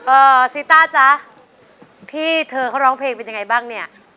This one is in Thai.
ซีต้าจ๊ะที่เธอเขาร้องเพลงเป็นยังไงบ้างเนี่ย